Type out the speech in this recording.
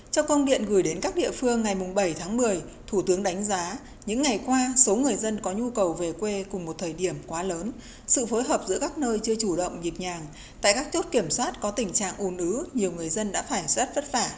trong công điện gửi đến các địa phương ngày bảy tháng một mươi thủ tướng đánh giá những ngày qua số người dân có nhu cầu về quê cùng một thời điểm quá lớn sự phối hợp giữa các nơi chưa chủ động nhịp nhàng tại các chốt kiểm soát có tình trạng ồn ứ nhiều người dân đã phải rất vất vả